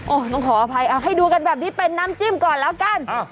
ต้องขออภัยเอาให้ดูกันแบบนี้เป็นน้ำจิ้มก่อนแล้วกัน